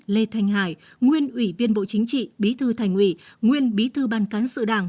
lê thanh hải nguyên ủy viên bộ chính trị bí thư thành ủy nguyên bí thư ban cán sự đảng